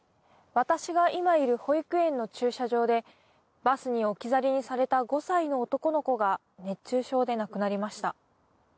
私が今いる保育園の駐車場でバスに置き去りにされた５歳の男の子が熱中症で亡くなりました。